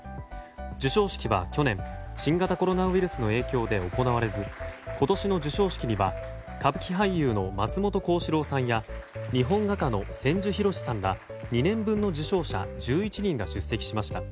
授賞式は去年、新型コロナウイルスの影響で行われず今年の授賞式には歌舞伎俳優の松本幸四郎さんや日本画家の千住博さんら２年分の受賞者１１人が出席しました。